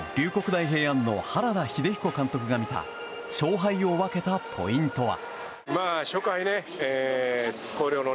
大平安の原田英彦監督が見た勝敗を分けたポイントは？